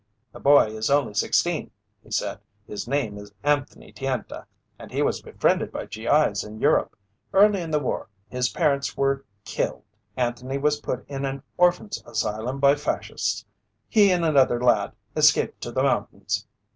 "The boy is only sixteen," he said. "His name is Anthony Tienta and he was befriended by G.I.'s in Europe. Early in the war, his parents were killed. Anthony was put in an orphan's asylum by Fascists. He and another lad escaped to the mountains.